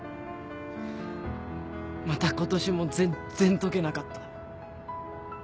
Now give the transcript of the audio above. また今年も全然解けなかった。